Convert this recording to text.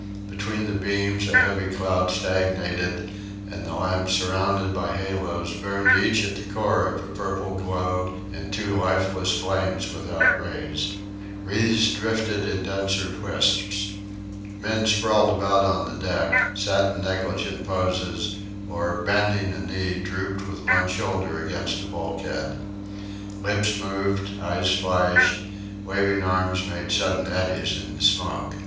Between the beams a heavy cloud stagnated; and the lamps surrounded by halos burned each at the core of a purple glow in two lifeless flames without rays. Wreaths drifted in denser wisps. Men sprawled about on the deck, sat in negligent poses, or, bending a knee, drooped with one shoulder against a bulkhead. Lips moved, eyes flashed, waving arms made sudden eddies in the smoke.